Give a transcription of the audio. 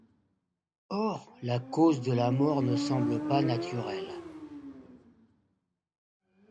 Or, la cause de la mort ne semble pas naturelle.